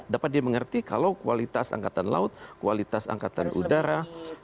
dapat dimengerti kalau kualitas angkatan laut kualitas angkatan udara